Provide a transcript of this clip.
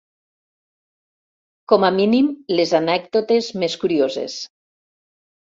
Com a mínim les anècdotes més curioses.